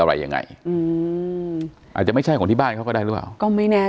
อะไรยังไงอืมอาจจะไม่ใช่ของที่บ้านเขาก็ได้หรือเปล่าก็ไม่แน่